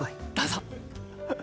どうぞ。